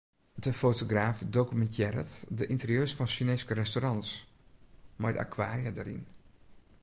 De fotograaf dokumintearret de ynterieurs fan Sjineeske restaurants mei de akwaria dêryn.